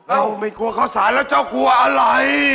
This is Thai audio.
ไม่กลัวข้าวสารแล้วเจ้ากลัวอะไร